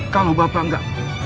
kalau bapak gak